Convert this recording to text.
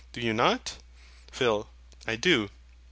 Do you not? PHIL. I do.